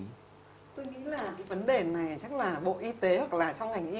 tôi nghĩ là cái vấn đề này chắc là bộ y tế hoặc là trong ngành y